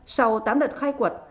sau tám đợt khai quật